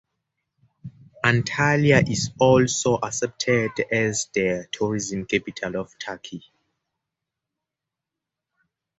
Antalya is also accepted as the tourism capital of Turkey.